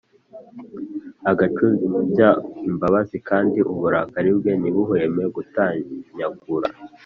agacubya imbabazi kandi uburakari bwe ntibuhweme gutanyagura